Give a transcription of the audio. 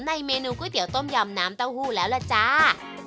เมนูก๋วยเตี๋ยต้มยำน้ำเต้าหู้แล้วล่ะจ้า